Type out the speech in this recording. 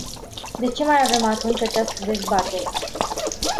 De ce mai avem atunci această dezbatere?